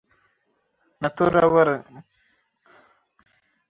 প্রতি শুক্রবারে মায়ের ব্রত করার নিয়ম।